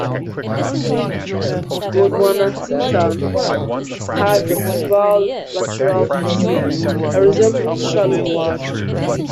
"Gondwanatitan" had vertebral lateral fossae that resembled shallow depressions.